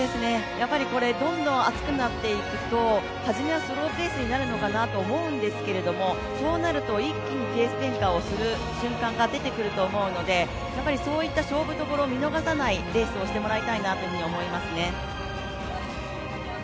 どんどん暑くなっていくとはじめはスローペースになるかなと思うんですがそうなると一気にペース変化をする瞬間が出てくると思うのでそういった勝負どころを見逃さないレースをしてほしいなっていうふうに思いますね。